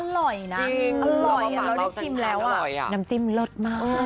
แล้วอร่อยนะเราได้ชิมแล้วอ่ะน้ำจิ้มเลิศมากจริงอร่อย